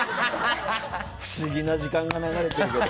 不思議な時間が流れてるよ。